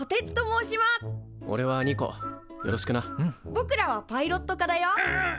ぼくらはパイロット科だよ。